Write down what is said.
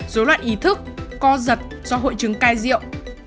bốn rối loạn ý thức co giật do hội chứng cai rượu